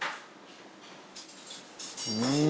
うん。